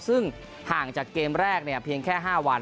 ซึ่งห่างจากเกมแรกเพียงแค่๕วัน